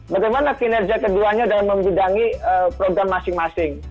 bagaimana kinerja keduanya dalam membidangi program masing masing